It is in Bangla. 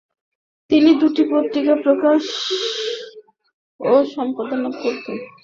তিনি দুটি পত্রিকা প্রকাশ ও সম্পাদনা করতেন।